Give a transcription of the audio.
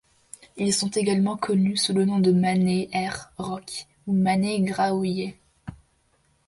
Ils sont également connus sous le nom de Mané-er-Roch ou Mané-Grahouillet.